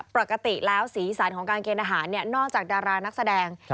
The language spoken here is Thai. ปกติแล้วสีสันของการเกณฑ์อาหารนอกจากดารานักแสดง